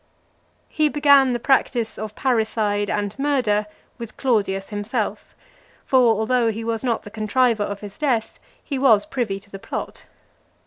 XXXIII. He began the practice of parricide and murder with Claudius himself; for although he was not the contriver of his death, he was privy to the plot.